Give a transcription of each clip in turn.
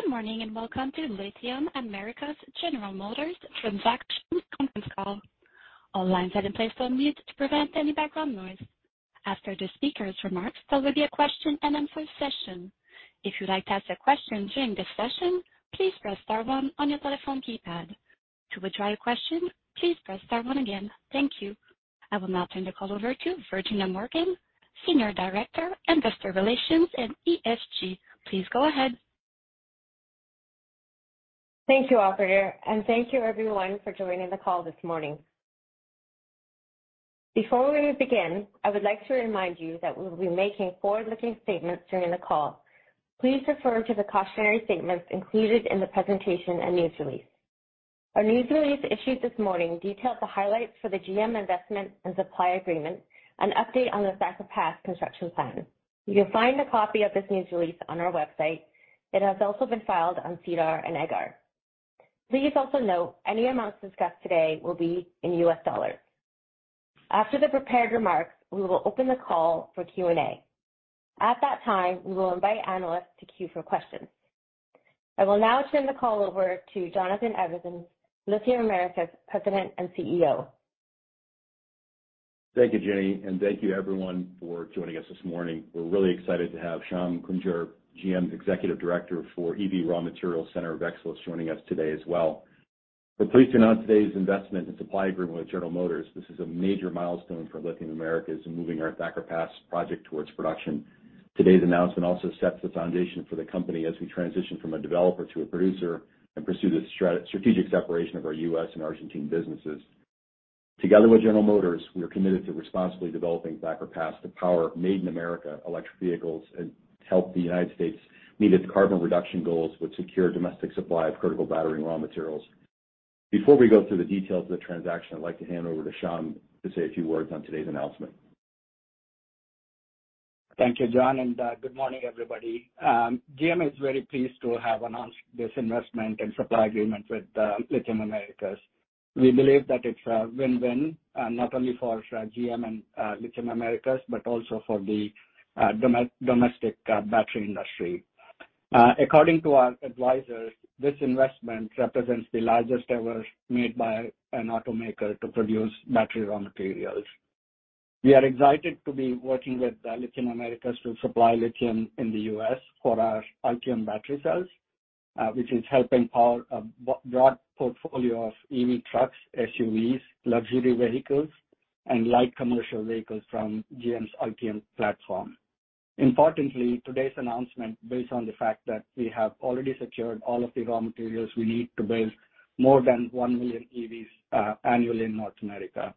Good morning, welcome to Lithium Americas' General Motors transaction conference call. All lines are in place on mute to prevent any background noise. After the speakers' remarks, there will be a question and answer session. If you'd like to ask a question during this session, please press star one on your telephone keypad. To withdraw your question, please press star one again. Thank you. I will now turn the call over to Virginia Morgan, Senior Director, Investor Relations and ESG. Please go ahead. Thank you, Operator. Thank you everyone for joining the call this morning. Before we begin, I would like to remind you that we will be making forward-looking statements during the call. Please refer to the cautionary statements included in the presentation and news release. Our news release issued this morning detailed the highlights for the GM investment and supply agreement, an update on the Thacker Pass construction plan. You'll find a copy of this news release on our website. It has also been filed on SEDAR and EDGAR. Please also note any amounts discussed today will be in U.S. dollars. After the prepared remarks, we will open the call for Q&A. At that time, we will invite analysts to queue for questions. I will now turn the call over to Jonathan Evans, Lithium Americas' President and CEO. Thank you, Jenny, thank you everyone for joining us this morning. We're really excited to have Sham Kunjur, GM Executive Director for EV Raw Materials, Center of Excellence, joining us today as well. We're pleased to announce today's investment and supply agreement with General Motors. This is a major milestone for Lithium Americas in moving our Thacker Pass project towards production. Today's announcement also sets the foundation for the company as we transition from a developer to a producer and pursue the strategic separation of our U.S. and Argentine businesses. Together with General Motors, we are committed to responsibly developing Thacker Pass to power made in America electric vehicles and help the United States meet its carbon reduction goals with secure domestic supply of critical battery raw materials. Before we go through the details of the transaction, I'd like to hand over to Shyam to say a few words on today's announcement. Thank you, John. Good morning, everybody. GM is very pleased to have announced this investment and supply agreement with Lithium Americas. We believe that it's a win-win, not only for GM and Lithium Americas, but also for the domestic battery industry. According to our advisors, this investment represents the largest ever made by an automaker to produce battery raw materials. We are excited to be working with Lithium Americas to supply lithium in the US for our Ultium battery cells, which is helping power a broad portfolio of EV trucks, SUVs, luxury vehicles, and light commercial vehicles from GM's Ultium platform. Importantly, today's announcement builds on the fact that we have already secured all of the raw materials we need to build more than 1 million EVs annually in North America.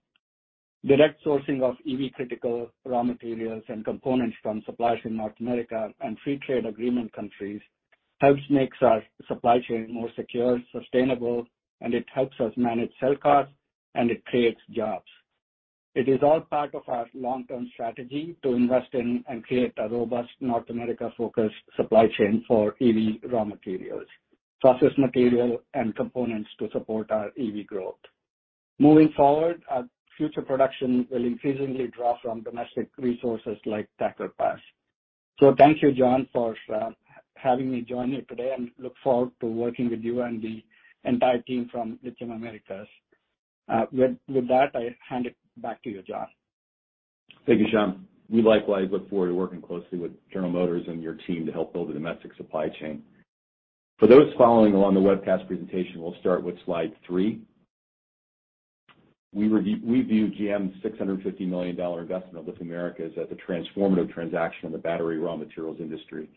Direct sourcing of EV critical raw materials and components from suppliers in North America and free trade agreement countries helps makes our supply chain more secure, sustainable, and it helps us manage cell costs, and it creates jobs. It is all part of our long-term strategy to invest in and create a robust North America-focused supply chain for EV raw materials, process material and components to support our EV growth. Moving forward, our future production will increasingly draw from domestic resources like Thacker Pass. Thank you, John, for having me join you today, and look forward to working with you and the entire team from Lithium Americas. With that, I hand it back to you, John. Thank you, Sham. We likewise look forward to working closely with General Motors and your team to help build a domestic supply chain. For those following along the webcast presentation, we'll start with slide 3. We view GM's $650 million investment with Lithium Americas as a transformative transaction in the battery raw materials industry,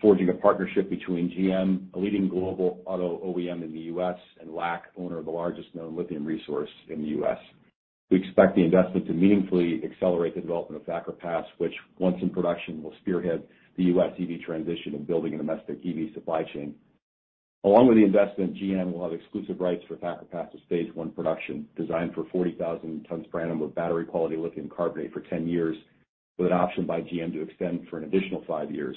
forging a partnership between GM, a leading global auto OEM in the U.S., and LAC, owner of the largest known lithium resource in the U.S. We expect the investment to meaningfully accelerate the development of Thacker Pass, which once in production, will spearhead the U.S. EV transition in building a domestic EV supply chain. Along with the investment, GM will have exclusive rights for Thacker Pass' phase one production, designed for 40,000 tons per annum of battery quality lithium carbonate for 10 years, with an option by GM to extend for an additional five years.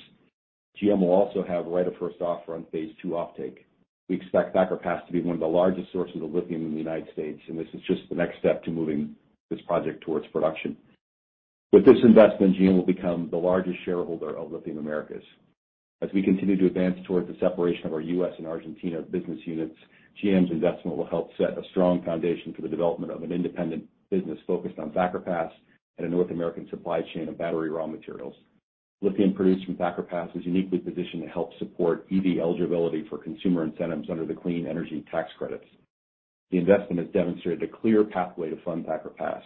GM will also have right of first offer on phase two offtake. We expect Thacker Pass to be one of the largest sources of lithium in the United States. This is just the next step to moving this project towards production. With this investment, GM will become the largest shareholder of Lithium Americas. As we continue to advance towards the separation of our U.S. and Argentina business units, GM's investment will help set a strong foundation for the development of an independent business focused on Thacker Pass and a North American supply chain of battery raw materials. Lithium produced from Thacker Pass is uniquely positioned to help support EV eligibility for consumer incentives under the clean energy tax credits. The investment has demonstrated a clear pathway to fund Thacker Pass.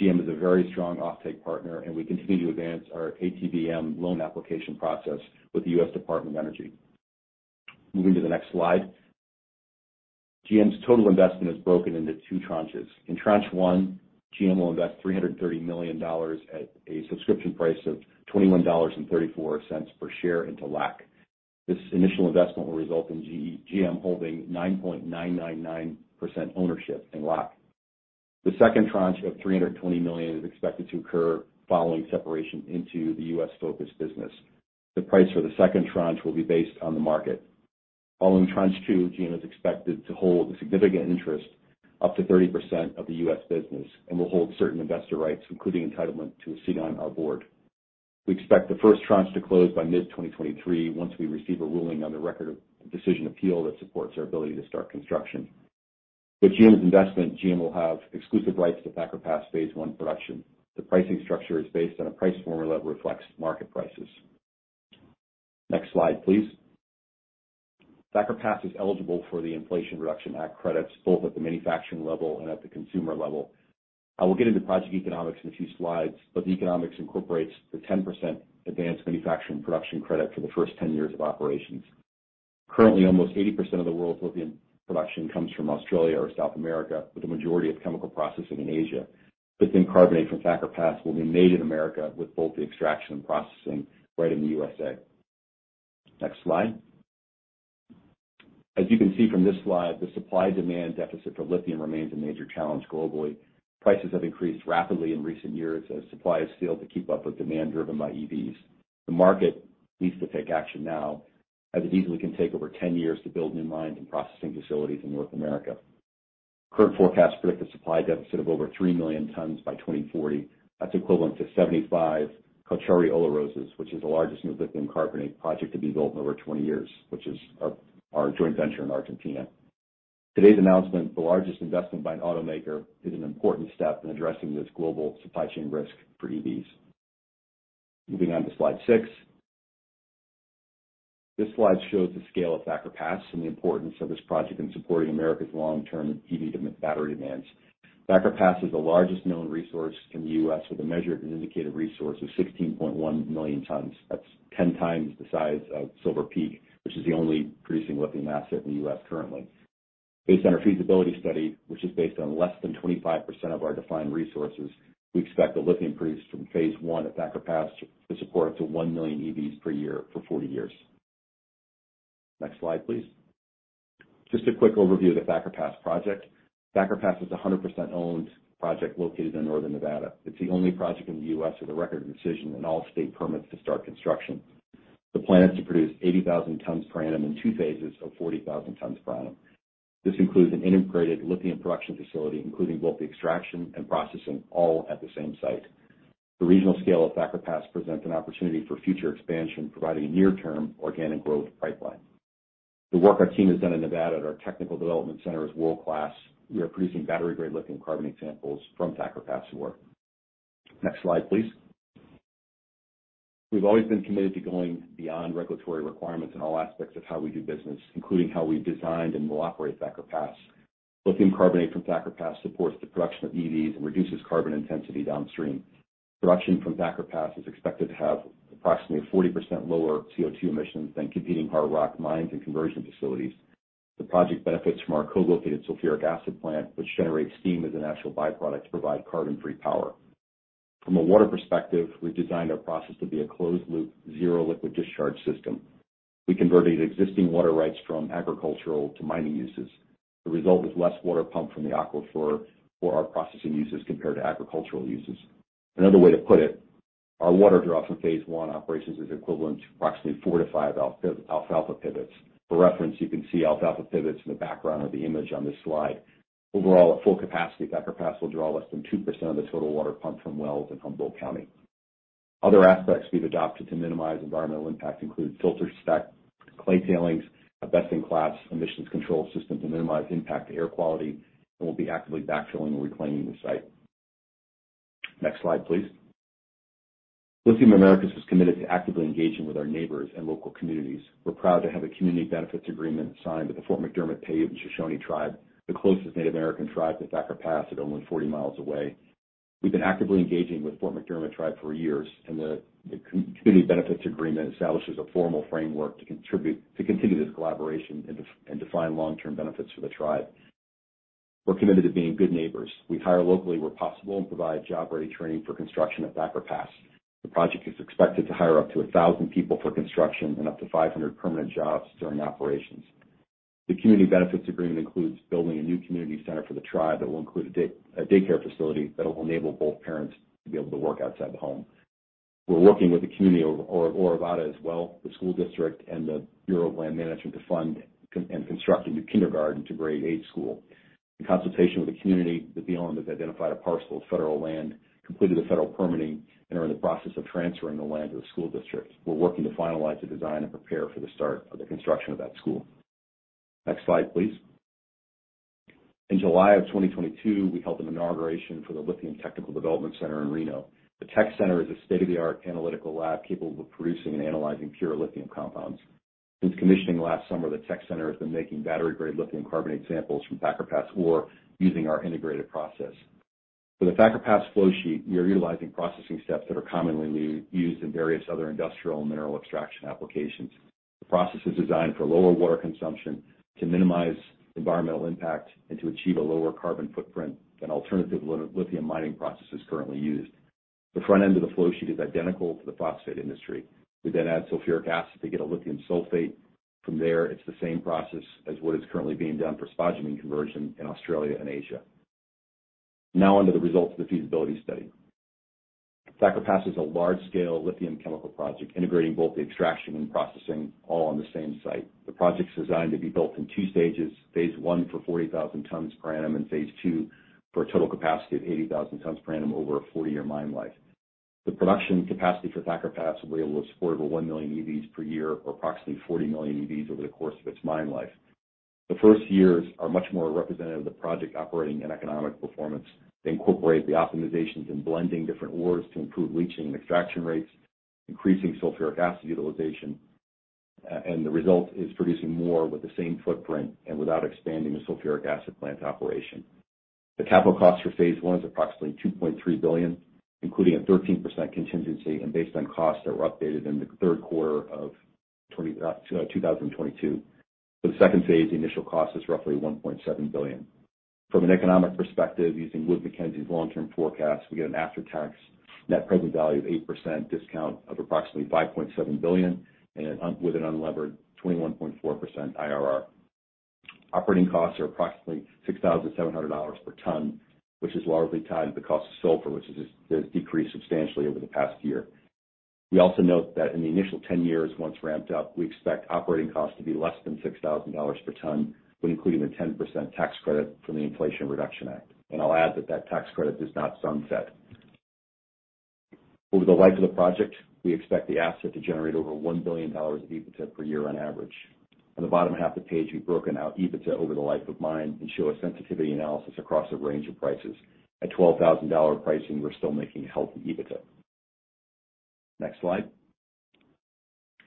GM is a very strong offtake partner, and we continue to advance our ATVM loan application process with the U.S. Department of Energy. Moving to the next slide. GM's total investment is broken into two tranches. In tranche one, GM will invest $330 million at a subscription price of $21.34 per share into LAC. This initial investment will result in GM holding 9.999% ownership in LAC. The second tranche of $320 million is expected to occur following separation into the U.S.-focused business. The price for the second tranche will be based on the market. Following tranche 2, GM is expected to hold a significant interest. Up to 30% of the U.S. business and will hold certain investor rights, including entitlement to a seat on our board. We expect the first tranche to close by mid 2023 once we receive a ruling on the Record of Decision appeal that supports our ability to start construction. With GM's investment, GM will have exclusive rights to Thacker Pass phase I production. The pricing structure is based on a price formula that reflects market prices. Next slide, please. Thacker Pass is eligible for the Inflation Reduction Act credits both at the manufacturing level and at the consumer level. I will get into project economics in a few slides, but the economics incorporates the 10% advanced manufacturing production credit for the first 10 years of operations. Currently, almost 80% of the world's lithium production comes from Australia or South America, with the majority of chemical processing in Asia. Lithium carbonate from Thacker Pass will be made in America with both the extraction and processing right in the U.S.A. Next slide. As you can see from this slide, the supply-demand deficit for lithium remains a major challenge globally. Prices have increased rapidly in recent years as supply has failed to keep up with demand driven by EVs. The market needs to take action now, as it easily can take over 10 years to build new mines and processing facilities in North America. Current forecasts predict a supply deficit of over 3 million tons by 2040. That's equivalent to 75 Caucharí-Olarozs, which is the largest new lithium carbonate project to be built in over 20 years, which is our joint venture in Argentina. Today's announcement, the largest investment by an automaker, is an important step in addressing this global supply chain risk for EVs. Moving on to slide six. This slide shows the scale of Thacker Pass and the importance of this project in supporting America's long-term EV battery demands. Thacker Pass is the largest known resource in the U.S. with a measured and indicated resource of 16.1 million tons. That's 10 times the size of Silver Peak, which is the only producing lithium asset in the US currently. Based on our feasibility study, which is based on less than 25% of our defined resources, we expect the lithium produced from phase one at Thacker Pass to support up to 1 million EVs per year for 40 years. Next slide, please. Just a quick overview of the Thacker Pass project. Thacker Pass is a 100% owned project located in northern Nevada. It's the only project in the U.S. with a Record of Decision and all state permits to start construction. The plan is to produce 80,000 tons per annum in two phases of 40,000 tons per annum. This includes an integrated lithium production facility, including both the extraction and processing all at the same site. The regional scale of Thacker Pass presents an opportunity for future expansion, providing a near-term organic growth pipeline. The work our team has done in Nevada at our technical development center is world-class. We are producing battery-grade lithium carbonate samples from Thacker Pass ore. Next slide, please. We've always been committed to going beyond regulatory requirements in all aspects of how we do business, including how we designed and will operate Thacker Pass. Lithium carbonate from Thacker Pass supports the production of EVs and reduces carbon intensity downstream. Production from Thacker Pass is expected to have approximately 40% lower CO2 emissions than competing hard rock mines and conversion facilities. The project benefits from our co-located sulfuric acid plant, which generates steam as a natural byproduct to provide carbon free power. From a water perspective, we've designed our process to be a closed loop, Zero Liquid Discharge system. We converted existing water rights from agricultural to mining uses. The result is less water pumped from the aquifer for our processing uses compared to agricultural uses. Another way to put it, our water draw from phase one operations is equivalent to approximately four to five alfalfa pivots. For reference, you can see alfalfa pivots in the background of the image on this slide. Overall, at full capacity, Thacker Pass will draw less than 2% of the total water pumped from wells in Humboldt County. Other aspects we've adopted to minimize environmental impact include filtered stack, clay tailings, a best-in-class emissions control system to minimize impact to air quality, and we'll be actively backfilling and reclaiming the site. Next slide, please. Lithium Americas is committed to actively engaging with our neighbors and local communities. We're proud to have a community benefits agreement signed with the Fort McDermitt Paiute Shoshone Tribe, the closest Native American tribe to Thacker Pass at only 40 mi away. We've been actively engaging with the Fort McDermitt tribe for years, and the community benefits agreement establishes a formal framework to continue this collaboration and define long-term benefits for the tribe. We're committed to being good neighbors. We hire locally where possible and provide job-ready training for construction at Thacker Pass. The project is expected to hire up to 1,000 people for construction and up to 500 permanent jobs during operations. The community benefits agreement includes building a new community center for the tribe that will include a daycare facility that will enable both parents to be able to work outside the home. We're working with the community of Orovada as well, the school district, and the Bureau of Land Management to fund and construct a new kindergarten to grade 8 school. In consultation with the community, the BLM has identified a parcel of federal land, completed the federal permitting, and are in the process of transferring the land to the school district. We're working to finalize the design and prepare for the start of the construction of that school. Next slide, please. In July of 2022, we held an inauguration for the Lithium Technical Development Center in Reno. The tech center is a state-of-the-art analytical lab capable of producing and analyzing pure lithium compounds. Since commissioning last summer, the tech center has been making battery-grade lithium carbonate samples from Thacker Pass ore using our integrated process. For the Thacker Pass flow sheet, we are utilizing processing steps that are commonly used in various other industrial and mineral extraction applications. The process is designed for lower water consumption to minimize environmental impact and to achieve a lower carbon footprint than alternative lithium mining processes currently used. The front end of the flow sheet is identical to the phosphate industry. Add sulfuric acid to get a lithium sulfate. From there, it's the same process as what is currently being done for spodumene conversion in Australia and Asia. On to the results of the feasibility study. Thacker Pass is a large-scale lithium chemical project integrating both the extraction and processing all on the same site. The project's designed to be built in two stages, phase one for 40,000 tons per annum and phase two for a total capacity of 80,000 tons per annum over a 40-year mine life. The production capacity for Thacker Pass will be able to support over 1 million EVs per year or approximately 40 million EVs over the course of its mine life. The first years are much more representative of the project operating and economic performance. They incorporate the optimizations in blending different ores to improve leaching and extraction rates, increasing sulfuric acid utilization, and the result is producing more with the same footprint and without expanding the sulfuric acid plant operation. The capital cost for phase one is approximately $2.3 billion, including a 13% contingency and based on costs that were updated in the third quarter of 2022. For the second phase, the initial cost is roughly $1.7 billion. From an economic perspective, using Wood Mackenzie's long-term forecast, we get an after-tax net present value of 8% discount of approximately $5.7 billion with an unlevered 21.4% IRR. Operating costs are approximately $6,700 per ton, which is largely tied to the cost of sulfur, which has decreased substantially over the past year. We also note that in the initial 10 years, once ramped up, we expect operating costs to be less than $6,000 per ton, when including the 10% tax credit from the Inflation Reduction Act. I'll add that tax credit does not sunset. Over the life of the project, we expect the asset to generate over $1 billion of EBITDA per year on average. On the bottom half of the page, we've broken out EBITDA over the life of mine and show a sensitivity analysis across a range of prices. At $12,000 pricing, we're still making a healthy EBITDA. Next slide.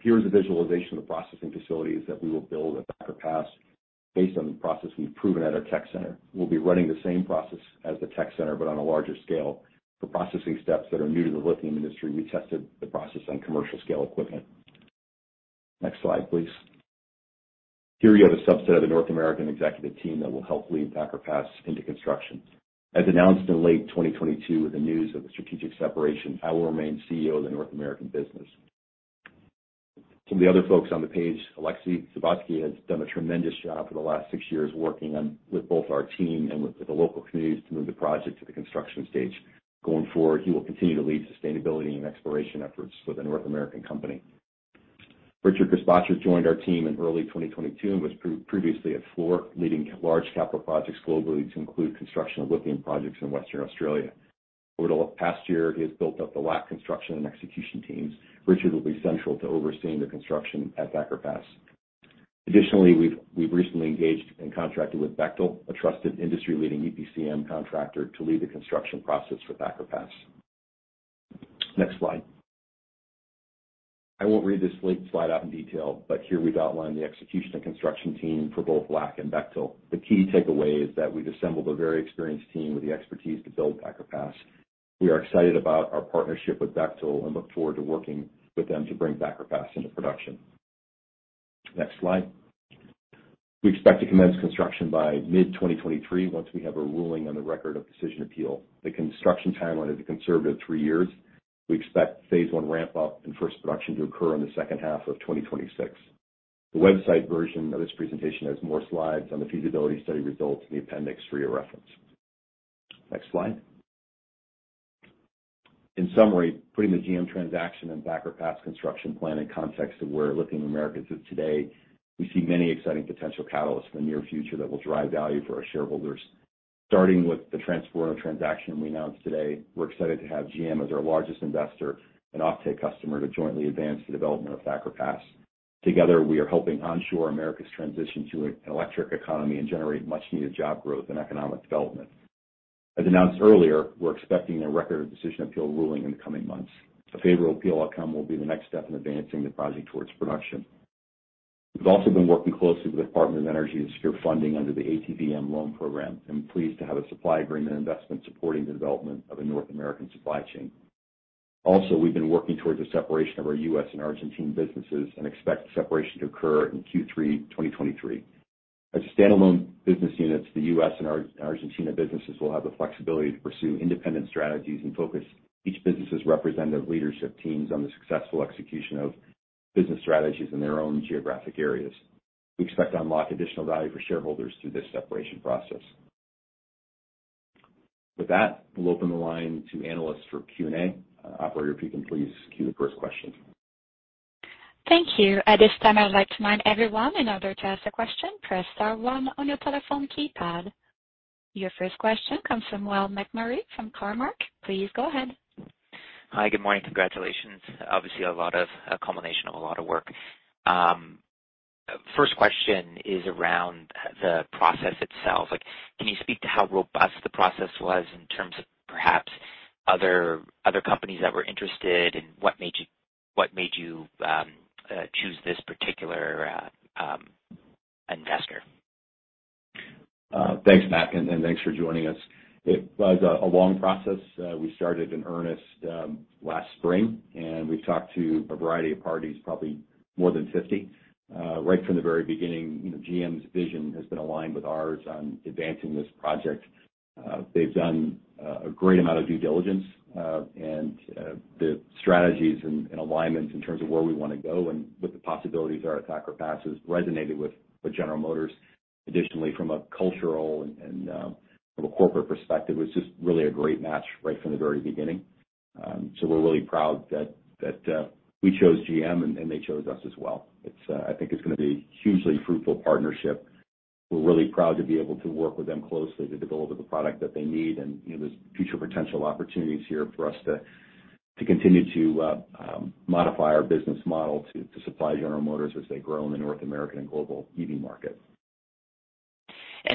Here is a visualization of the processing facilities that we will build at Thacker Pass based on the process we've proven at our tech center. We'll be running the same process as the tech center, but on a larger scale. For processing steps that are new to the lithium industry, we tested the process on commercial scale equipment. Next slide, please. Here we have a subset of the North American executive team that will help lead Thacker Pass into construction. As announced in late 2022 with the news of a strategic separation, I will remain CEO of the North American business. Some of the other folks on the page, Alexi Zawadzki, has done a tremendous job for the last 6 years working on with both our team and with the local communities to move the project to the construction stage. Going forward, he will continue to lead sustainability and exploration efforts for the North American company. Richard Gerspacher joined our team in early 2022 and was previously at Fluor, leading large capital projects globally to include construction of lithium projects in Western Australia. Over the past year, he has built up the LAC construction and execution teams. Richard will be central to overseeing the construction at Thacker Pass. Additionally, we've recently engaged and contracted with Bechtel, a trusted industry-leading EPCM contractor, to lead the construction process for Thacker Pass. Next slide. I won't read this slide out in detail, here we've outlined the execution and construction team for both LAC and Bechtel. The key takeaway is that we've assembled a very experienced team with the expertise to build Thacker Pass. We are excited about our partnership with Bechtel and look forward to working with them to bring Thacker Pass into production. Next slide. We expect to commence construction by mid-2023 once we have a ruling on the Record of Decision appeal. The construction timeline is a conservative three years. We expect Phase 1 ramp up and first production to occur in the second half of 2026. The website version of this presentation has more slides on the feasibility study results in the appendix for your reference. Next slide. In summary, putting the GM transaction and Thacker Pass construction plan in context of where Lithium Americas is today, we see many exciting potential catalysts for the near future that will drive value for our shareholders. Starting with the Transformer transaction we announced today, we're excited to have GM as our largest investor and offtake customer to jointly advance the development of Thacker Pass. Together, we are helping onshore America's transition to an electric economy and generate much needed job growth and economic development. As announced earlier, we're expecting a Record Decision appeal ruling in the coming months. A favorable appeal outcome will be the next step in advancing the project towards production. We've also been working closely with the Department of Energy to secure funding under the ATVM loan program, and pleased to have a supply agreement investment supporting the development of a North American supply chain. Also, we've been working towards the separation of our U.S. and Argentine businesses and expect the separation to occur in Q3 2023. As standalone business units, the U.S. and Argentina businesses will have the flexibility to pursue independent strategies and focus each business's representative leadership teams on the successful execution of business strategies in their own geographic areas. We expect to unlock additional value for shareholders through this separation process. With that, we'll open the line to analysts for Q&A. Operator, if you can please queue the first question. Thank you. At this time, I'd like to remind everyone in order to ask a question, press star one on your telephone keypad. Your first question comes from Whale MacMurray from Cormark. Please go ahead. Hi, good morning. Congratulations. Obviously a lot of accumulation of a lot of work. First question is around the process itself. Like, can you speak to how robust the process was in terms of perhaps other companies that were interested and what made you choose this particular investor? Thanks, Mac, and thanks for joining us. It was a long process. We started in earnest last spring, and we've talked to a variety of parties, probably more than 50. Right from the very beginning, you know, GM's vision has been aligned with ours on advancing this project. They've done a great amount of due diligence, and the strategies and alignments in terms of where we wanna go and what the possibilities are at Thacker Pass has resonated with General Motors. Additionally, from a cultural and from a corporate perspective, it was just really a great match right from the very beginning. We're really proud that we chose GM and they chose us as well. It's I think it's gonna be hugely fruitful partnership. We're really proud to be able to work with them closely to develop the product that they need. You know, there's future potential opportunities here for us to continue to modify our business model to supply General Motors as they grow in the North American and global EV market.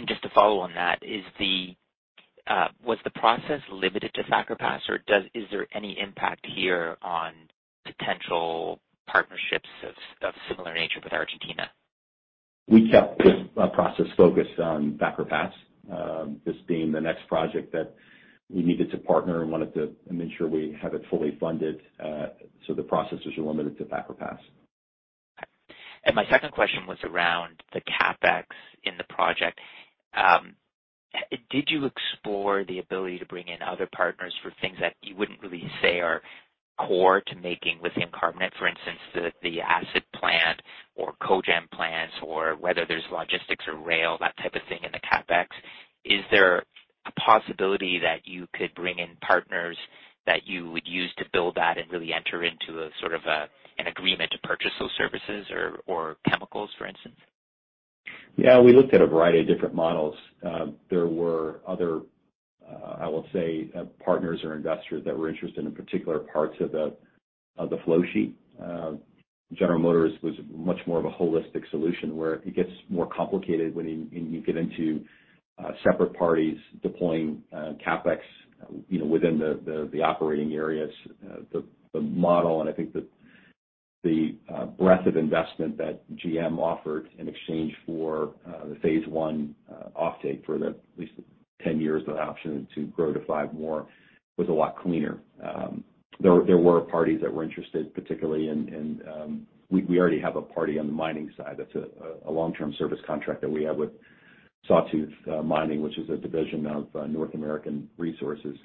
Just to follow on that, was the process limited to Thacker Pass, or is there any impact here on potential partnerships of similar nature with Argentina? We kept this process focused on Thacker Pass, this being the next project that we needed to partner and wanted to ensure we have it fully funded. The processes are limited to Thacker Pass. My second question was around the CapEx in the project. Did you explore the ability to bring in other partners for things that you wouldn't really say are core to making lithium carbonate? For instance, the acid plant or cogen plants or whether there's logistics or rail, that type of thing in the CapEx. Is there a possibility that you could bring in partners that you would use to build that and really enter into a sort of a, an agreement to purchase those services or chemicals, for instance? Yeah. We looked at a variety of different models. There were other, I will say partners or investors that were interested in particular parts of the flow sheet. General Motors was much more of a holistic solution where it gets more complicated when you get into separate parties deploying CapEx, you know, within the operating areas. The model and I think the breadth of investment that GM offered in exchange for the phase I offtake for the at least 10 years, the option to grow to five more was a lot cleaner. There were parties that were interested, particularly in... We already have a party on the mining side. That's a long-term service contract that we have with Sawtooth Mining, which is a division of North American Resources.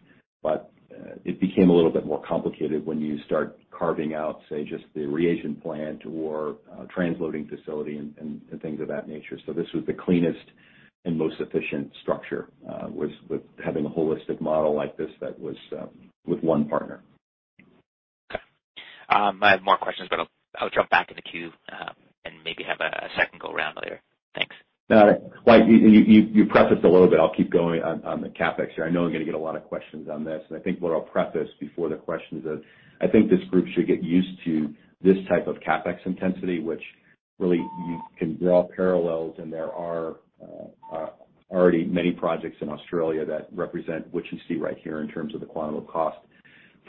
It became a little bit more complicated when you start carving out, say, just the reagent plant or transloading facility and things of that nature. This was the cleanest and most efficient structure with having a holistic model like this that was with one partner. Okay. I have more questions, but I'll jump back in the queue, and maybe have a second go around later. Thanks. No. While you prefaced a little bit, I'll keep going on the CapEx here. I know I'm gonna get a lot of questions on this. I think what I'll preface before the questions is, I think this group should get used to this type of CapEx intensity, which really you can draw parallels, and there are already many projects in Australia that represent what you see right here in terms of the quantum of cost.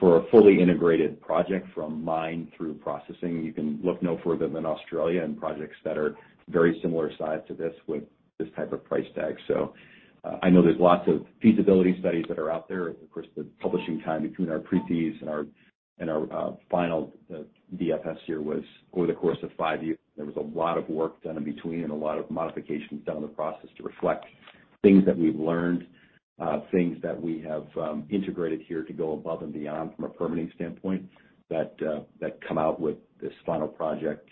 For a fully integrated project from mine through processing, you can look no further than Australia and projects that are very similar size to this with this type of price tag. I know there's lots of feasibility studies that are out there. Of course, the publishing time between our pre-fees and our final DFS here was over the course of five years. There was a lot of work done in between and a lot of modifications done in the process to reflect things that we've learned, things that we have, integrated here to go above and beyond from a permitting standpoint that come out with this final project,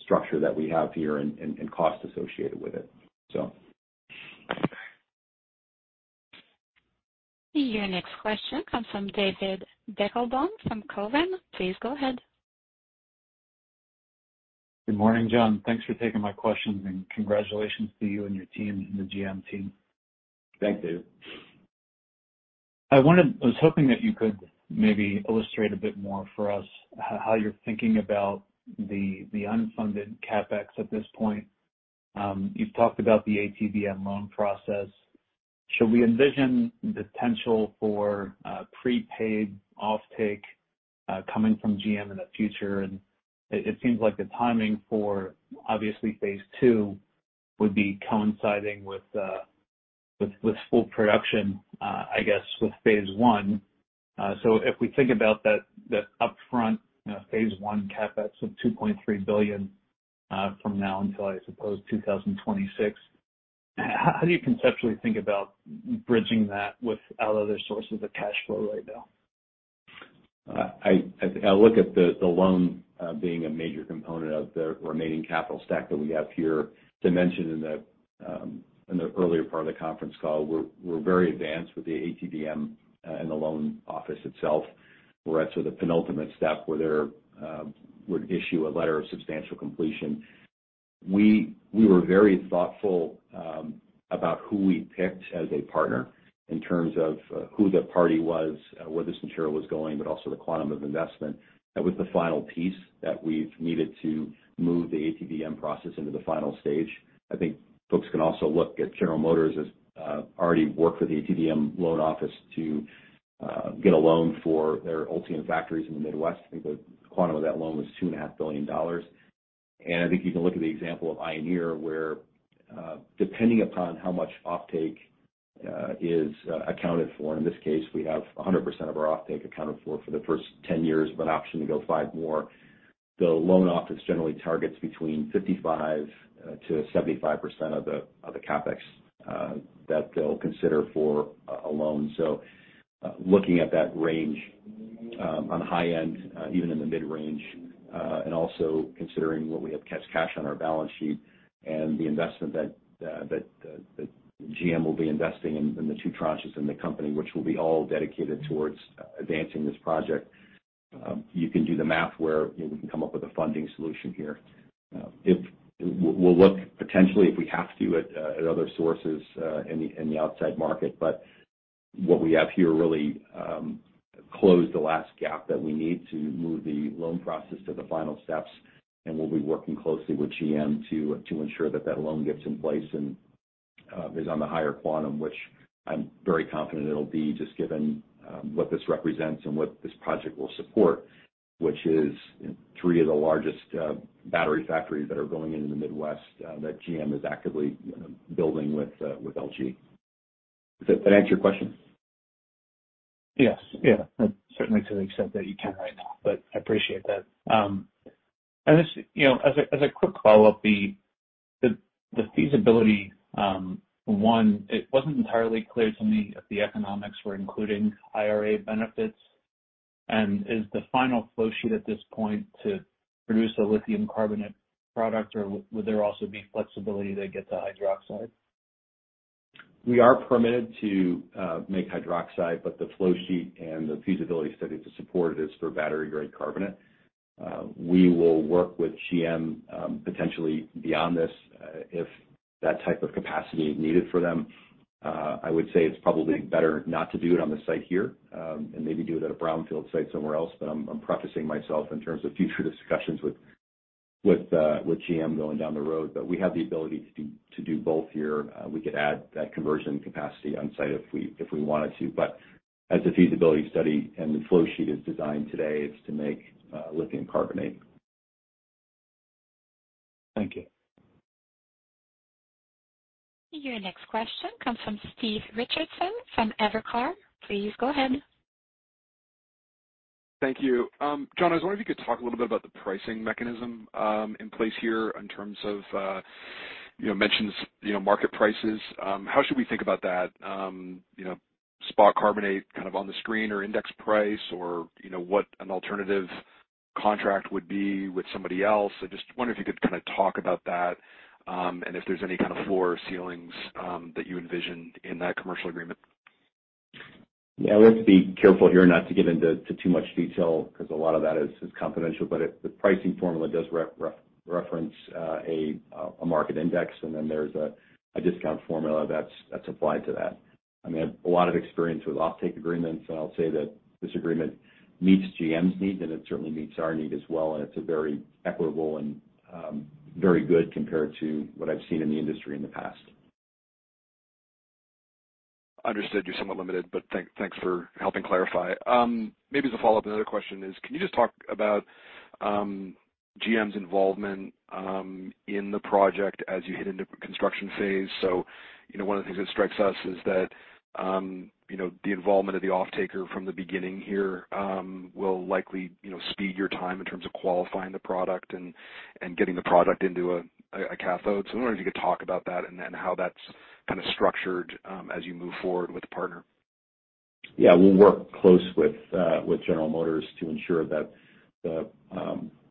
structure that we have here and cost associated with it, so. Your next question comes from David Deckelbaum from Cowen. Please go ahead. Good morning, John. Thanks for taking my questions, and congratulations to you and your team and the GM team. Thanks, Dave. I was hoping that you could maybe illustrate a bit more for us how you're thinking about the unfunded CapEx at this point. You've talked about the ATVM loan process. Should we envision the potential for prepaid offtake coming from GM in the future? It seems like the timing for obviously phase two would be coinciding with full production, I guess with phase one. If we think about that upfront, you know, phase one CapEx of $2.3 billion from now until, I suppose, 2026, how do you conceptually think about bridging that without other sources of cash flow right now? I look at the loan being a major component of the remaining capital stack that we have here. As I mentioned in the earlier part of the conference call, we're very advanced with the ATVM and the loan office itself. We're at sort of the penultimate step where they're would issue a letter of substantial completion. We were very thoughtful about who we picked as a partner in terms of who the party was, where this insurer was going, but also the quantum of investment. That was the final piece that we've needed to move the ATVM process into the final stage. I think folks can also look at General Motors as already worked with the ATVM loan office to get a loan for their Ultium factories in the Midwest. I think the quantum of that loan was two and a half billion dollars. I think you can look at the example of Eye and Ear, where depending upon how much offtake is accounted for, and in this case, we have 100% of our offtake accounted for for the first 10 years with an option to go five more. The loan office generally targets between 55%-75% of the CapEx that they'll consider for a loan. Looking at that range, on the high end, even in the mid-range. Also considering what we have cash on our balance sheet and the investment that GM will be investing in the two tranches in the company, which will be all dedicated towards advancing this project, you can do the math where, you know, we can come up with a funding solution here. We'll look potentially if we have to at other sources in the outside market. What we have here really closed the last gap that we need to move the loan process to the final steps. We'll be working closely with GM to ensure that that loan gets in place and is on the higher quantum, which I'm very confident it'll be just given what this represents and what this project will support, which is 3 of the largest battery factories that are going into the Midwest that GM is actively building with LG. Does that answer your question? Yes. Yeah, certainly to the extent that you can right now, but I appreciate that. Just, you know, as a, as a quick follow-up, the, the feasibility, one, it wasn't entirely clear to me if the economics were including IRA benefits. Is the final flow sheet at this point to produce a lithium carbonate product, or would there also be flexibility to get to hydroxide? We are permitted to make hydroxide, but the flow sheet and the feasibility study to support it is for battery-grade carbonate. We will work with GM, potentially beyond this, if that type of capacity is needed for them. I would say it's probably better not to do it on the site here, and maybe do it at a brownfield site somewhere else. I'm prefacing myself in terms of future discussions with GM going down the road. We have the ability to do both here. We could add that conversion capacity on site if we wanted to. As the feasibility study and the flow sheet is designed today, it's to make lithium carbonate. Thank you. Your next question comes from Stephen Richardson from Evercore. Please go ahead. Thank you. John, I was wondering if you could talk a little bit about the pricing mechanism, in place here in terms of, you know, mentions, you know, market prices. How should we think about that? you know, spot carbonate kind of on the screen or index price or, you know, what an alternative contract would be with somebody else? I just wonder if you could kind of talk about that, and if there's any kind of floor or ceilings, that you envision in that commercial agreement? Yeah, I want to be careful here not to get into too much detail because a lot of that is confidential. The pricing formula does reference a market index, and then there's a discount formula that's applied to that. I mean, I have a lot of experience with offtake agreements, and I'll say that this agreement meets GM's need, and it certainly meets our need as well. It's a very equitable and very good compared to what I've seen in the industry in the past. Understood you're somewhat limited, but thanks for helping clarify. Maybe as a follow-up, another question is, can you just talk about GM's involvement in the project as you head into construction phase? You know, one of the things that strikes us is that, you know, the involvement of the offtaker from the beginning here, will likely, you know, speed your time in terms of qualifying the product and getting the product into a cathode. I wonder if you could talk about that and how that's kind of structured as you move forward with the partner? Yeah. We'll work close with General Motors to ensure that the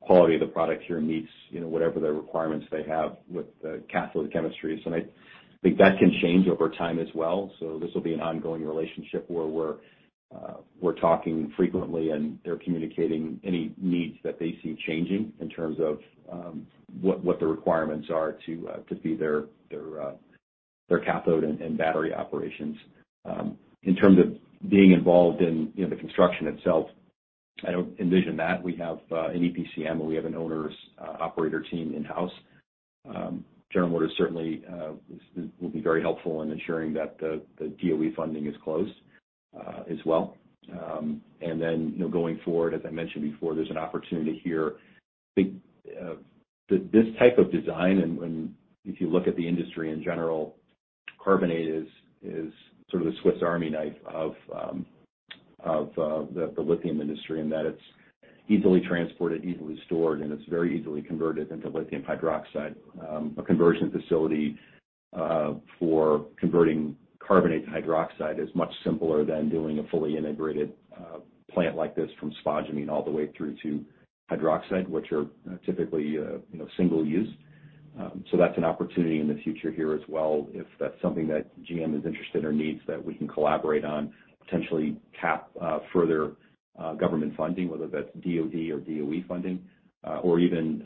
quality of the product here meets, you know, whatever the requirements they have with the cathode chemistries. I think that can change over time as well. This will be an ongoing relationship where we're talking frequently, and they're communicating any needs that they see changing in terms of what the requirements are to feed their cathode and battery operations. In terms of being involved in, you know, the construction itself, I don't envision that. We have an EPCM, and we have an owner's operator team in-house. General Motors certainly will be very helpful in ensuring that the DOE funding is closed as well. You know, going forward, as I mentioned before, there's an opportunity here. I think, this type of design and when, if you look at the industry in general, carbonate is sort of the Swiss Army knife of, the lithium industry, in that it's easily transported, easily stored, and it's very easily converted into lithium hydroxide. A conversion facility for converting carbonate to hydroxide is much simpler than doing a fully integrated plant like this from spodumene all the way through to hydroxide, which are typically, you know, single use. That's an opportunity in the future here as well, if that's something that GM is interested or needs that we can collaborate on, potentially tap further government funding, whether that's DoD or DOE funding, or even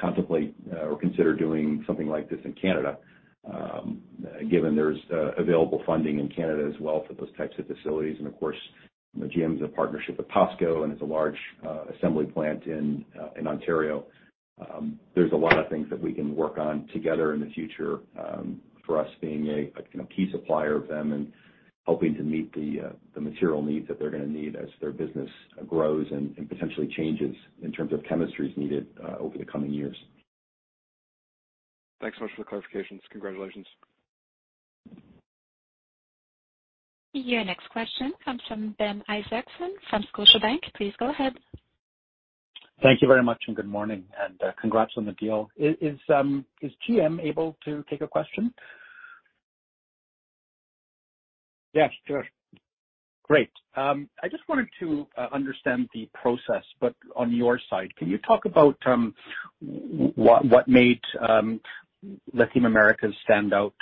contemplate or consider doing something like this in Canada, given there's available funding in Canada as well for those types of facilities. Of course, you know, GM's a partnership with POSCO, and it's a large assembly plant in Ontario. There's a lot of things that we can work on together in the future, for us being a, you know, key supplier of them and helping to meet the material needs that they're gonna need as their business grows and potentially changes in terms of chemistries needed over the coming years. Thanks so much for the clarifications. Congratulations. Your next question comes from Ben Isaacson from Scotiabank. Please go ahead. Thank you very much, good morning, congrats on the deal. Is GM able to take a question? Yes, sure. Great. I just wanted to understand the process on your side. Can you talk about what made Lithium Americas stand out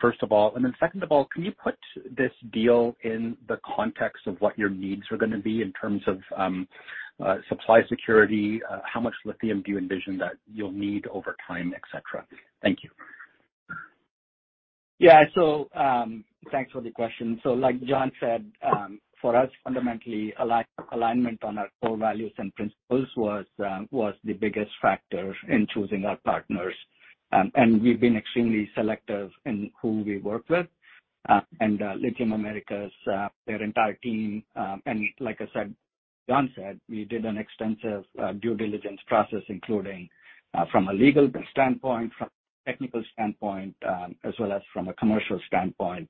first of all? Second of all, can you put this deal in the context of what your needs are gonna be in terms of supply security, how much lithium do you envision that you'll need over time, et cetera? Thank you. Thanks for the question. Like John said, for us, fundamentally, alignment on our core values and principles was the biggest factor in choosing our partners. We've been extremely selective in who we work with. Lithium Americas, their entire team, and like John said, we did an extensive due diligence process, including from a legal standpoint, from a technical standpoint, as well as from a commercial standpoint.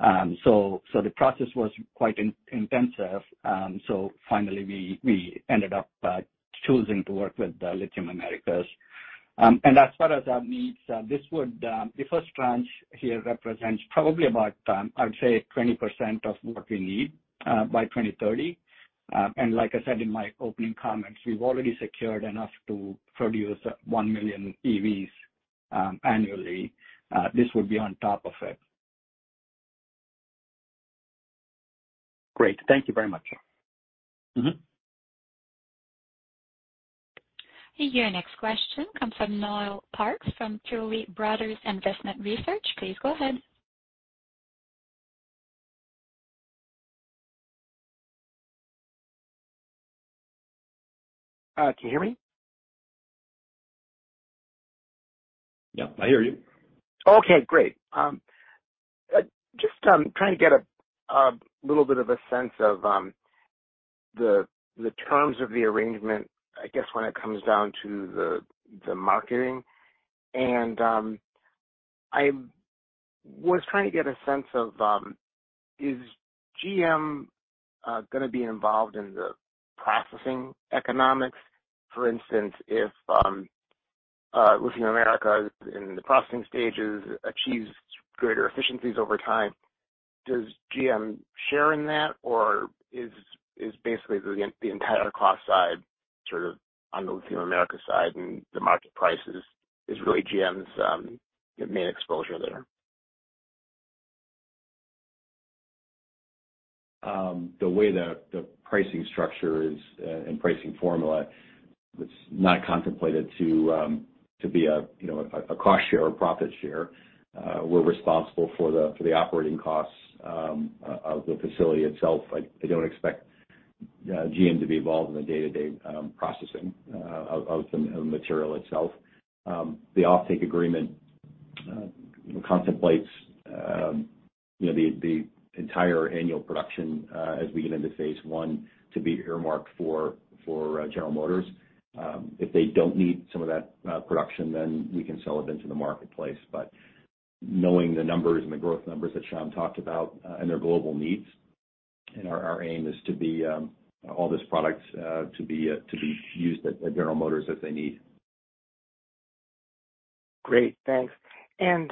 The process was quite intensive. Finally, we ended up choosing to work with Lithium Americas. As far as our needs, this would, the first tranche here represents probably about, I would say, 20% of what we need by 2030. Like I said in my opening comments, we've already secured enough to produce 1 million EVs annually. This would be on top of it. Great. Thank you very much. Your next question comes from Noel Parks from Tuohy Brothers Investment Research. Please go ahead. Can you hear me? Yeah, I hear you. Okay, great. Just trying to get a little bit of a sense of the terms of the arrangement, I guess, when it comes down to the marketing. I was trying to get a sense of is GM gonna be involved in the processing economics? For instance, if Lithium Americas in the processing stages achieves greater efficiencies over time, does GM share in that, or is basically the entire cost side sort of on the Lithium Americas side and the market prices is really GM's main exposure there? The way the pricing structure is and pricing formula, it's not contemplated to be a, you know, a cost share or profit share. We're responsible for the operating costs of the facility itself. I don't expect GM to be involved in the day-to-day processing of the material itself. The offtake agreement, you know, contemplates, you know, the entire annual production as we get into phase one, to be earmarked for General Motors. If they don't need some of that production, we can sell it into the marketplace. Knowing the numbers and the growth numbers that Sham talked about, and their global needs and our aim is to be all this product to be used at General Motors if they need. Great, thanks. Is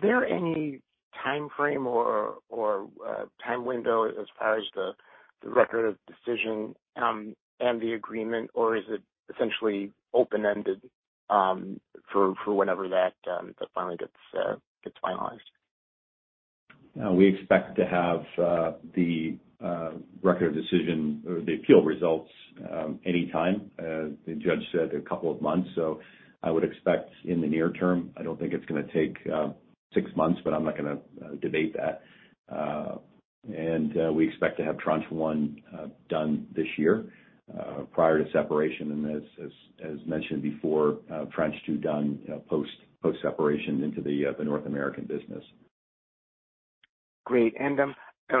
there any timeframe or time window as far as the Record of Decision and the agreement? Or is it essentially open-ended for whenever that finally gets finalized? We expect to have the Record of Decision or the appeal results anytime. The judge said a couple of months, I would expect in the near term. I don't think it's gonna take six months, I'm not gonna debate that. We expect to have tranche 1 done this year prior to separation. As mentioned before, tranche 2 done post-separation into the North American business. Great. I don't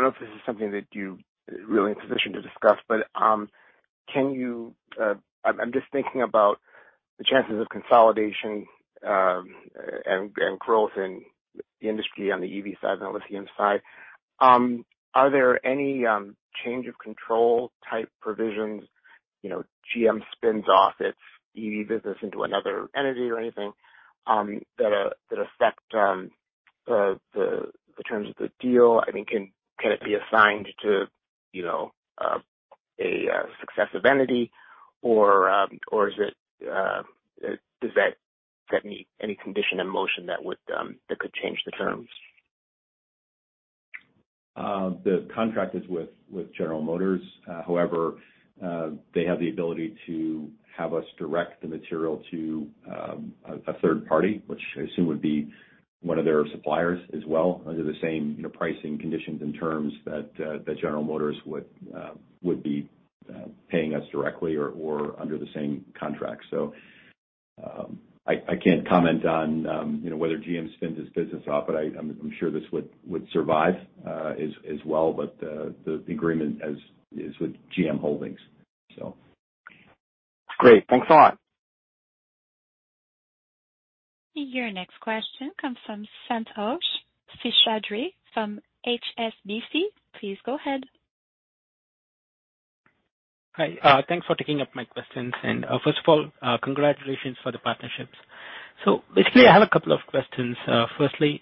know if this is something that you are really in position to discuss, but can you I'm just thinking about the chances of consolidation, and growth in the industry on the EV side and the lithium side. Are there any change of control type provisions? You know, GM spins off its EV business into another entity or anything that affect the terms of the deal? I mean, can it be assigned to, you know, a successive entity or is it does that set any condition in motion that would that could change the terms? The contract is with General Motors. However, they have the ability to have us direct the material to a third party, which I assume would be one of their suppliers as well, under the same, you know, pricing conditions and terms that General Motors would be paying us directly or under the same contract. I can't comment on, you know, whether GM spins this business off, but I'm sure this would survive as well. The agreement as is with GM holdings, so. Great. Thanks a lot. Your next question comes from Santhosh Seshadri from HSBC. Please go ahead. Hi, thanks for taking up my questions. First of all, congratulations for the partnerships. I have a couple of questions. Firstly,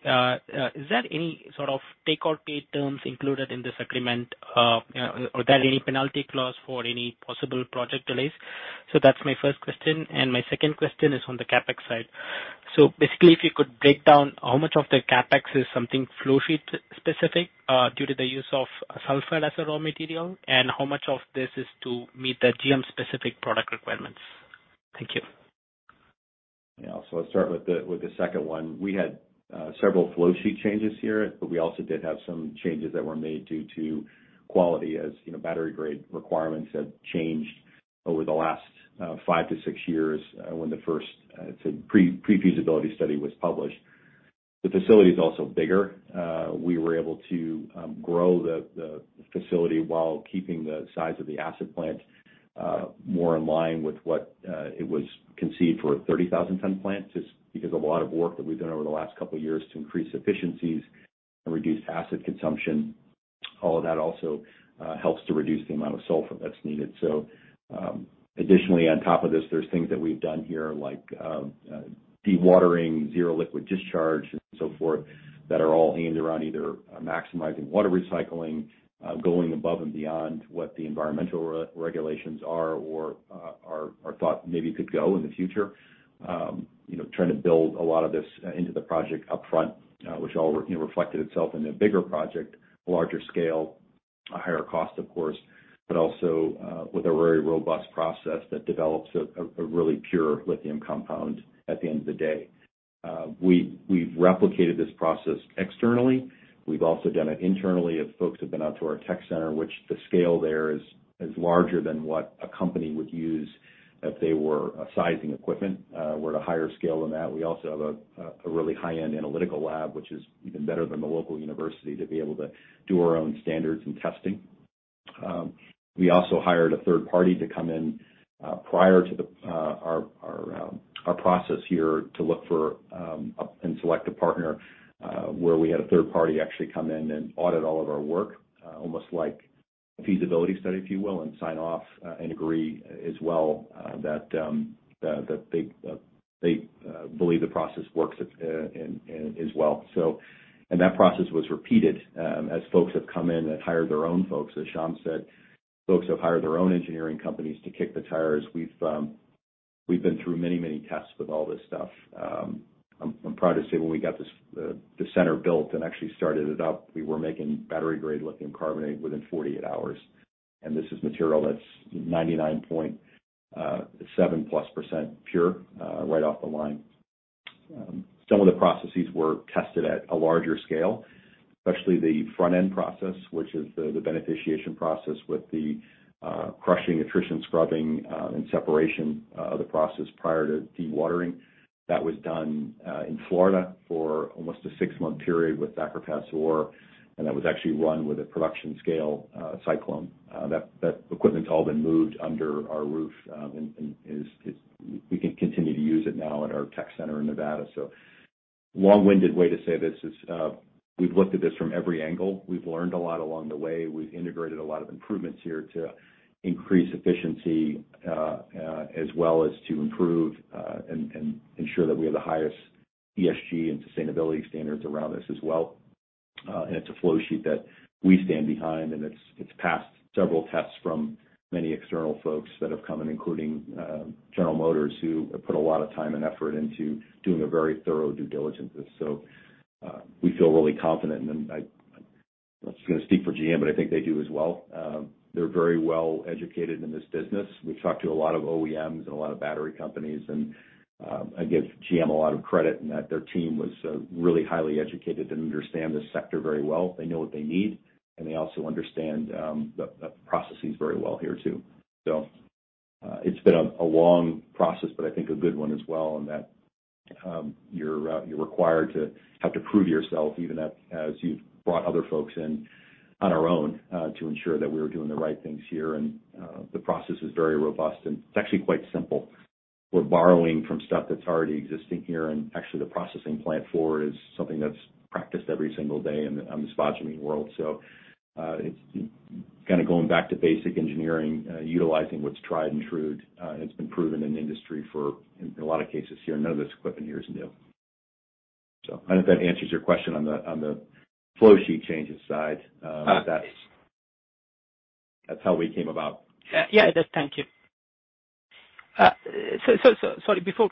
is there any sort of take or pay terms included in this agreement? Are there any penalty clause for any possible project delays? That's my first question. My second question is on the CapEx side. If you could break down how much of the CapEx is something flow sheet specific, due to the use of sulfide as a raw material, and how much of this is to meet the GM specific product requirements? Thank you. I'll start with the second one. We had several flowsheet changes here, but we also did have some changes that were made due to quality. As, you know, battery grade requirements have changed over the last five to six years, when the first pre-pre-feasibility study was published. The facility is also bigger. We were able to grow the facility while keeping the size of the asset plant more in line with what it was conceived for a 30,000 ton plant, just because of a lot of work that we've done over the last couple of years to increase efficiencies and reduce acid consumption. All of that also helps to reduce the amount of sulfur that's needed. Additionally, on top of this, there's things that we've done here like dewatering, Zero Liquid Discharge and so forth, that are all aimed around either maximizing water recycling, going above and beyond what the environmental regulations are or are thought maybe could go in the future. You know, trying to build a lot of this into the project upfront, which all, you know, reflected itself in a bigger project, a larger scale, a higher cost, of course, but also with a very robust process that develops a really pure lithium compound at the end of the day. We've replicated this process externally. We've also done it internally, as folks have been out to our tech center, which the scale there is larger than what a company would use if they were sizing equipment. We're at a higher scale than that. We also have a really high-end analytical lab, which is even better than the local university, to be able to do our own standards and testing. We also hired a third party to come in prior to our process here to look for and select a partner, where we had a third party actually come in and audit all of our work, almost like a feasibility study, if you will, and sign off and agree as well, that they believe the process works and as well. That process was repeated as folks have come in and hired their own folks. As Sean said, folks have hired their own engineering companies to kick the tires. We've been through many, many tests with all this stuff. I'm proud to say when we got this, the center built and actually started it up, we were making battery-grade lithium carbonate within 48 hours. This is material that's 99.7+% pure right off the line. Some of the processes were tested at a larger scale, especially the front-end process, which is the beneficiation process with the crushing, attrition, scrubbing, and separation of the process prior to dewatering. That was done in Florida for almost a six-month period with Thacker Pass ore, and that was actually run with a production scale cyclone. That equipment's all been moved under our roof and we can continue to use it now at our tech center in Nevada. Long-winded way to say this is, we've looked at this from every angle. We've learned a lot along the way. We've integrated a lot of improvements here to increase efficiency, as well as to improve and ensure that we have the highest ESG and sustainability standards around us as well. It's a flow sheet that we stand behind, and it's passed several tests from many external folks that have come in, including General Motors, who have put a lot of time and effort into doing a very thorough due diligence. We feel really confident. I'm not gonna speak for GM, but I think they do as well. They're very well educated in this business. We've talked to a lot of OEMs and a lot of battery companies, and I give GM a lot of credit in that their team was really highly educated and understand this sector very well. They know what they need, and they also understand the processes very well here too. It's been a long process, but I think a good one as well, in that you're required to have to prove yourself, even as you've brought other folks in on our own to ensure that we're doing the right things here. The process is very robust, and it's actually quite simple. We're borrowing from stuff that's already existing here, and actually, the processing plant for it is something that's practiced every single day in the spodumene world. It's kinda going back to basic engineering, utilizing what's tried and true, and it's been proven in industry for, in a lot of cases here. None of this equipment here is new. I hope that answers your question on the, on the flow sheet changes side. That's how we came about. Yeah, it does. Thank you. So sorry, before,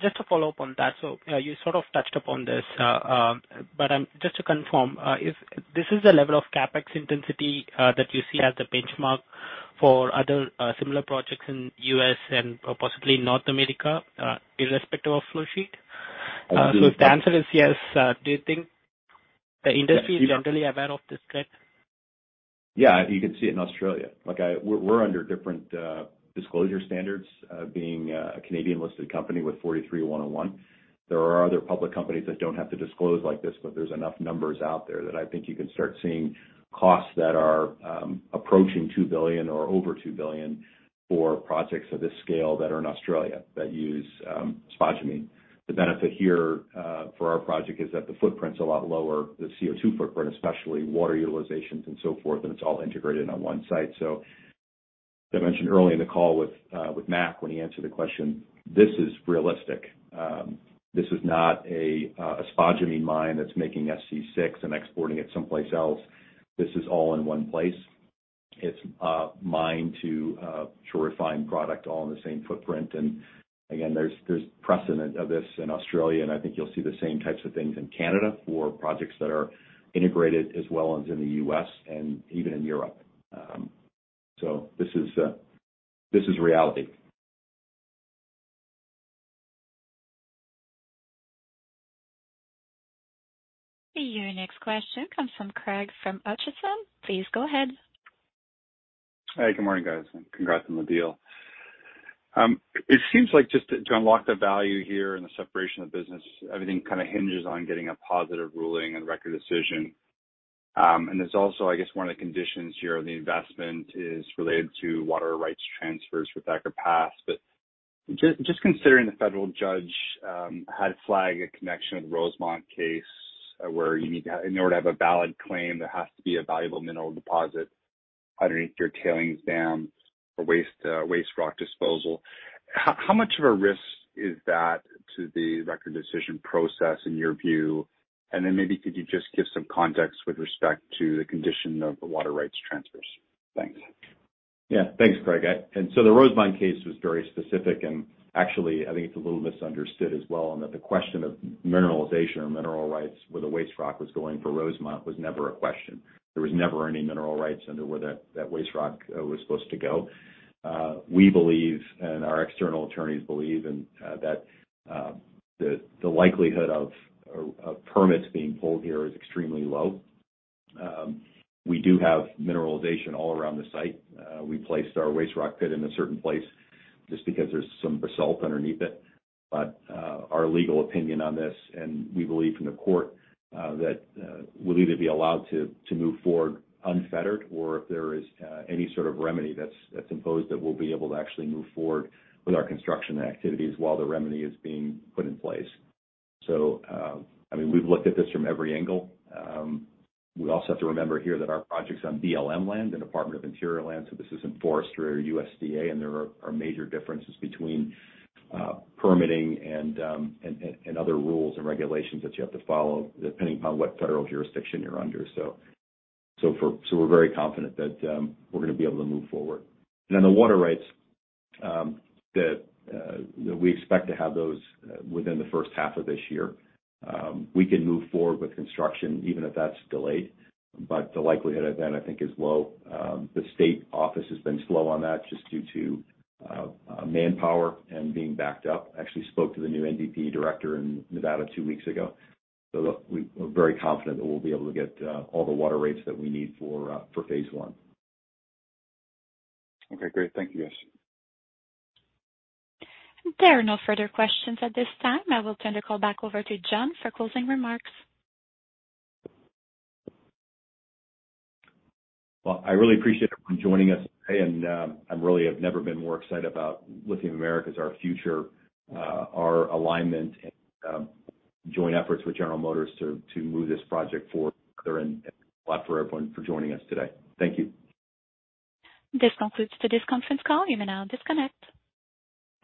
just to follow up on that. You sort of touched upon this, but just to confirm, if this is the level of CapEx intensity that you see as the benchmark for other similar projects in US and possibly North America, irrespective of flow sheet? Uh, the- If the answer is yes, do you think the industry is generally aware of this trend? Yeah. You can see it in Australia. Like we're under different disclosure standards, being a Canadian-listed company with 43-101. There are other public companies that don't have to disclose like this, there's enough numbers out there that I think you can start seeing costs that are approaching $2 billion or over $2 billion. For projects of this scale that are in Australia that use spodumene. The benefit here for our project is that the footprint's a lot lower, the CO2 footprint especially, water utilizations, and so forth, and it's all integrated on one site. As I mentioned early in the call with Matt when he answered the question, this is realistic. This is not a spodumene mine that's making SC6 and exporting it someplace else. This is all in one place. It's a mine to a refined product all in the same footprint. There's precedent of this in Australia, and I think you'll see the same types of things in Canada for projects that are integrated as well as in the U.S. and even in Europe. This is reality. Your next question comes from Craig from Acheson. Please go ahead. Hi. Good morning, guys, and congrats on the deal. It seems like to unlock the value here and the separation of business, everything kind of hinges on getting a positive ruling and Record of Decision. There's also, I guess, one of the conditions here of the investment is related to water rights transfers with Thacker Pass. Just considering the federal judge had flagged a connection with Rosemont case, where you need to have... In order to have a valid claim, there has to be a valuable mineral deposit underneath your tailings dams or waste rock disposal. How much of a risk is that to the Record of Decision process in your view? Then maybe could you just give some context with respect to the condition of the water rights transfers? Thanks. Yeah. Thanks, Craig. The Rosemont case was very specific, and actually, I think it's a little misunderstood as well, and that the question of mineralization or mineral rights where the waste rock was going for Rosemont was never a question. There was never any mineral rights under where that waste rock was supposed to go. We believe, and our external attorneys believe in that the likelihood of permits being pulled here is extremely low. We do have mineralization all around the site. We placed our waste rock pit in a certain place just because there's some basalt underneath it. Our legal opinion on this, and we believe from the court that we'll either be allowed to move forward unfettered, or if there is any sort of remedy that's imposed, that we'll be able to actually move forward with our construction activities while the remedy is being put in place. I mean, we've looked at this from every angle. We also have to remember here that our project's on BLM land, the Department of the Interior land, so this isn't forestry or USDA, and there are major differences between permitting and other rules and regulations that you have to follow depending upon what federal jurisdiction you're under. So we're very confident that we're gonna be able to move forward. The water rights, that, you know, we expect to have those within the first half of this year. We can move forward with construction even if that's delayed, but the likelihood of that I think is low. The state office has been slow on that just due to manpower and being backed up. I actually spoke to the new NDP Director in Nevada two weeks ago. We're very confident that we'll be able to get all the water rights that we need for phase one. Okay, great. Thank you, guys. There are no further questions at this time. I will turn the call back over to John for closing remarks. I really appreciate everyone joining us today, I'm really have never been more excited about Lithium Americas, our future, our alignment, and joint efforts with General Motors to move this project forward. Thank you a lot for everyone for joining us today. Thank you. This concludes the disc conference call. You may now disconnect.